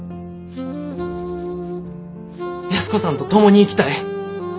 安子さんと共に生きたい。